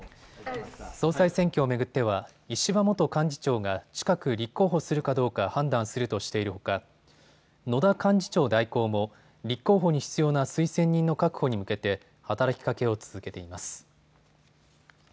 総裁選挙を巡っては石破元幹事長が近く立候補するかどうか判断するとしているほか野田幹事長代行も立候補に必要な推薦人の確保に向けて働きかけを続けています。